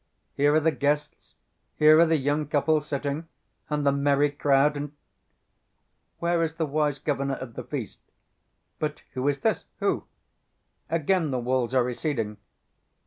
Here are the guests, here are the young couple sitting, and the merry crowd and ... Where is the wise governor of the feast? But who is this? Who? Again the walls are receding....